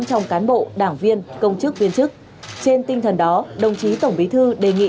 trong cán bộ đảng viên công chức viên chức trên tinh thần đó đồng chí tổng bí thư đề nghị